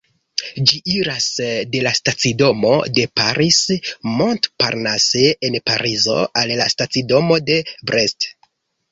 Ĝi iras de la stacidomo de Paris-Montparnasse en Parizo al la stacidomo de Brest.